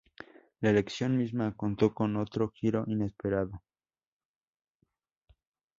La elección misma contó con otro giro inesperado.